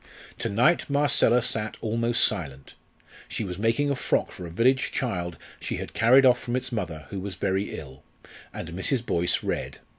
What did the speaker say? To night Marcella sat almost silent she was making a frock for a village child she had carried off from its mother, who was very ill and Mrs. Boyce read.